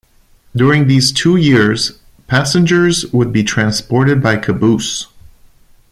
During those two years, passengers would be transported by caboose.